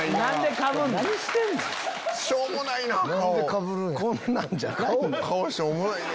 顔しょうもないで。